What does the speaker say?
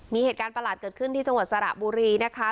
มีเหตุการณ์ประหลาดเกิดขึ้นที่จังหวัดสระบุรีนะคะ